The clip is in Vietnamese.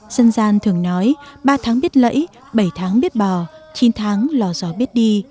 dân gian thường nói ba tháng biết lẫy bảy tháng biết bò chín tháng lò gió biết đi